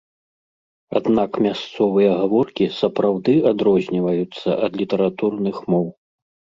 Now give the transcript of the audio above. Аднак мясцовыя гаворкі сапраўды адрозніваюцца ад літаратурных моў.